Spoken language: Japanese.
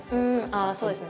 ああそうですね